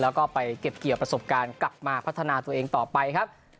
แล้วก็ไปเก็บเกี่ยวประสบการณ์กลับมาพัฒนาตัวเองต่อไปครับ